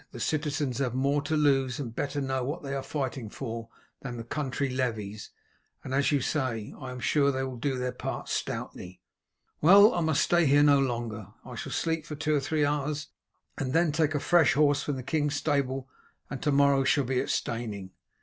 The citizens have more to lose and better know what they are fighting for than the country levies, and as you say, I am sure they will do their part stoutly. Well, I must stay here no longer. I shall sleep for two or three hours, and then take a fresh horse from the king's stable and to morrow shall be at Steyning.